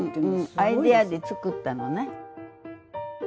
アイデアで作ったのね。